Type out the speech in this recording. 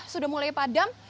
sudah mulai padam